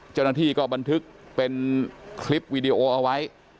เจ้าหน้าที่ก็บันทึกเป็นคลิปวีดีโอเอาไว้